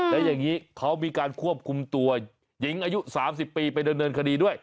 และอย่างนี้เขามีการควบคุมตัวหญิงอายุ๓๐ปีไปดำเนินคดีด้วย